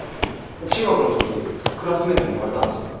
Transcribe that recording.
中学の時クラスメートに言われたんです。